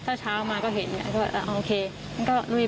ก็คุยกันมาทั้งทีนะคะวันนี้